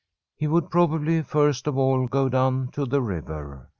He would probably first of all go down to the river.